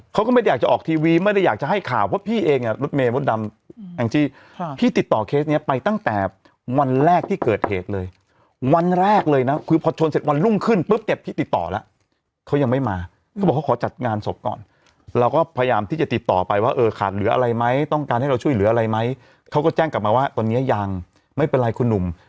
เขาก็ไม่ได้อยากจะออกทีวีไม่ได้อยากจะให้ข่าวเพราะพี่เองอ่ะรถเมล์รถดำแห่งที่พี่ติดต่อเคสเนี้ยไปตั้งแต่วันแรกที่เกิดเหตุเลยวันแรกเลยน่ะคือพอชนเสร็จวันรุ่งขึ้นปุ๊บเก็บพี่ติดต่อแล้วเขายังไม่มาเขาบอกเขาขอจัดงานศพก่อนเราก็พยายามที่จะติดต่อไปว่าเออขาดเหลืออะไรไหมต้องการให้เราช่วยเหลืออะไรไหม